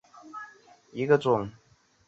尖颖早熟禾为禾本科早熟禾属下的一个种。